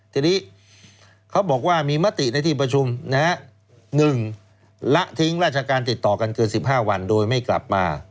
ทีนี้เขาบอกว่ามีมติในที่ประชุม๑ละทิ้งราชการติดต่อกันเกิน๑๕วันโดยไม่กลับมา